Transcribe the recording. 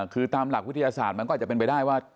คือตามหลักวิทยาศาสตร์มันก็อาจจะเป็นไปได้ว่า